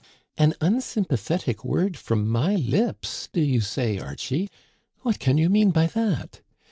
" An unsympathetic word from my lips, do you say, Archie? What can you mean by that?